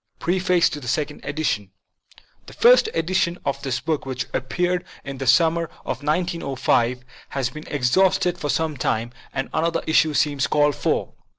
PREFACE TO THE SECOND EDITION THE first edition of this book, which appeared in the summer of 1905, has been exhausted for some time, and another issue seems called for.